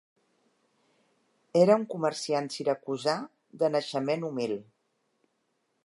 Era un comerciant siracusà de naixement humil.